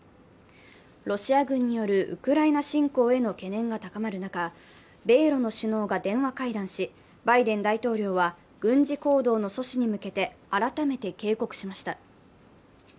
ロシア軍によるウクライナ侵攻への懸念が高まる中、米ロの首脳が電話会談し、バイデン大統領は軍事行動の阻止に向けて改めて警告しました。